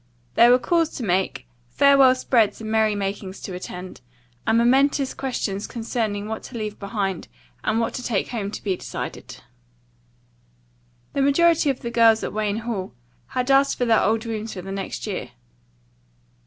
There were calls to make, farewell spreads and merry makings to attend, and momentous questions concerning what to leave behind and what to take home to be decided. The majority of the girls at Wayne Hall had asked for their old rooms for the next year.